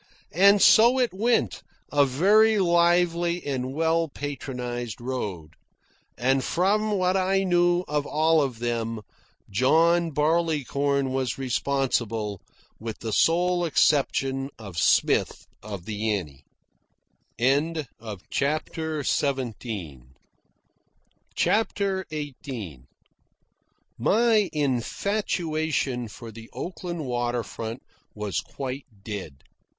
And so it went, a very lively and well patronised road, and, from what I knew of all of them, John Barleycorn was responsible, with the sole exception of Smith of the Annie. CHAPTER XVIII My infatuation for the Oakland water front was quite dead.